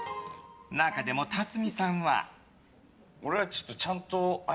中でも辰巳さんは。